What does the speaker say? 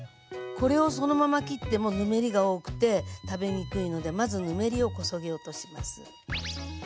これをそのまま切ってもぬめりが多くて食べにくいのでまずぬめりをこそげ落とします。